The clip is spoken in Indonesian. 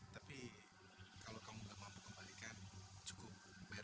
tapi kalau kamu nggak mampu kembalikan cukup membayar